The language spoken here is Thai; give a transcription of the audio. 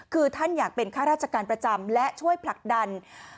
คือท่านอยากเป็นข้าราชการประจำและช่วยผลักดัน